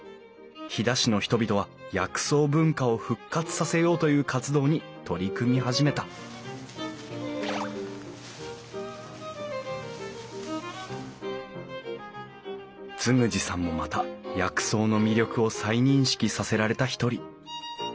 飛騨市の人々は薬草文化を復活させようという活動に取り組み始めた嗣二さんもまた薬草の魅力を再認識させられた一人。